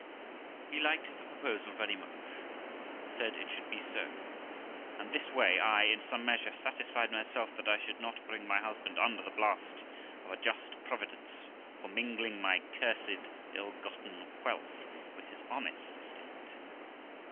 He liked the proposal very well , and said it should be so ; and this way I, in some measure, satisfied myself that I should not bring my husband under the blast of a just Providence, for mingling my cursed ill gotten wealth with his honest estate.